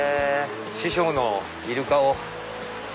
師匠のイルカを。